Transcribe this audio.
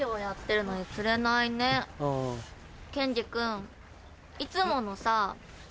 ケンジ君いつものさ。